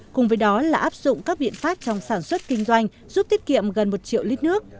cùng với đó là áp dụng các biện pháp trong sản xuất kinh doanh giúp tiết kiệm gần một triệu lít nước